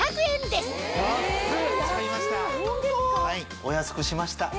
お安くしました。